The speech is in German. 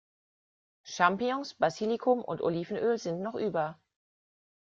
Champignons, Basilikum und Olivenöl sind noch über.